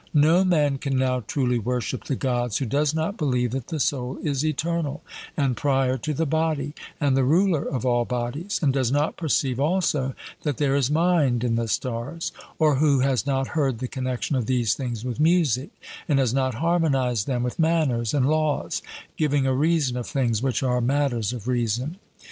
No man can now truly worship the Gods who does not believe that the soul is eternal, and prior to the body, and the ruler of all bodies, and does not perceive also that there is mind in the stars; or who has not heard the connexion of these things with music, and has not harmonized them with manners and laws, giving a reason of things which are matters of reason.